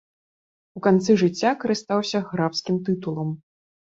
У канцы жыцця карыстаўся графскім тытулам.